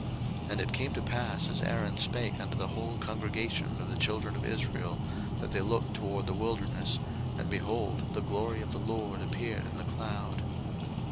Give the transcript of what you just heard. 02:016:010 And it came to pass, as Aaron spake unto the whole congregation of the children of Israel, that they looked toward the wilderness, and, behold, the glory of the LORD appeared in the cloud.